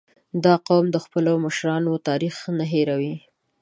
• دا قوم د خپلو مشرانو تاریخ نه هېرېږي.